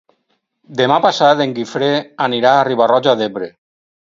Demà passat en Guifré anirà a Riba-roja d'Ebre.